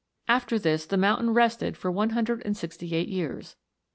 After this the mountain rested for one hundred and sixty eight years.